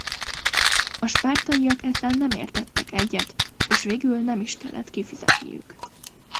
A spártaiak ezzel nem értettek egyet és végül nem is kellett kifizetniük.